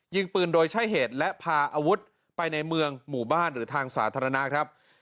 ยิงปืนโดยใช้เหตุและพาอาวุธไปในเมืองหมู่บ้านหรือทางสาธารณะครับ